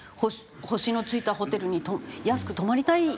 星の付いたホテルに安く泊まりたい。